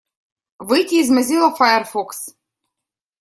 Выйти из Mozilla Firefox.